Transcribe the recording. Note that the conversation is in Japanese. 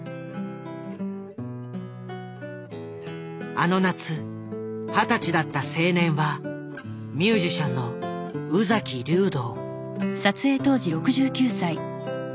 あの夏二十歳だった青年はミュージシャンの宇崎竜童。」）